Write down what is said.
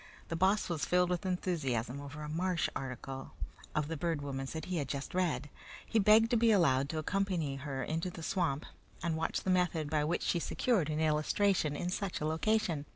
The Boss was filled with enthusiasm over a marsh article of the Bird Woman's that he just had read. He begged to be allowed to accompany her into the swamp and watch the method by which she secured an illustration in such a location.